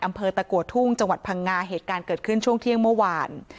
อำเภอตะกัวทุ่งจังหวัดพังงาเหตุการณ์เกิดขึ้นช่วงเที่ยงเมื่อวาน